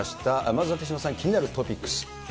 まずは手嶋さん、気になるトピッ